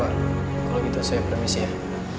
untuk tempat yang berlangsung